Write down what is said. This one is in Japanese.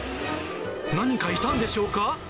何かいたんでしょうか。